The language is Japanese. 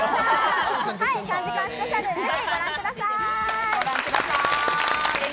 ３時間スペシャル、ぜひご覧ください。